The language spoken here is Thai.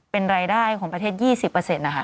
เป็นรายได้ของประเทศ๒๐นะคะ